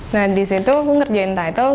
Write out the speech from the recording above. nah di situ aku ngerjain title